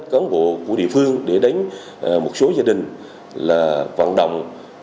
cán bộ của địa phương để đánh một số gia đình là vạn đồng